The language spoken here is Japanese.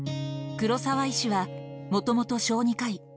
黒澤医師は、もともと小児科医。